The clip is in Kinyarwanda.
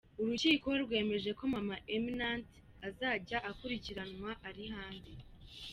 Urukiko rwemeje ko Maman Eminante azajya akurikiranwa ari hanze.